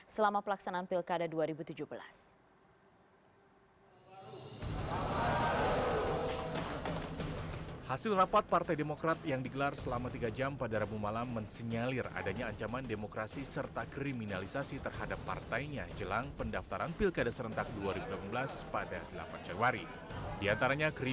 selama pelaksanaan pilkada dua ribu tujuh belas